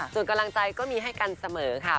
ส่วนกำลังใจก็มีให้กันเสมอค่ะ